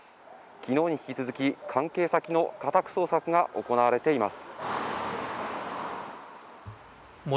昨日に引き続き関係先の家宅捜索が行われています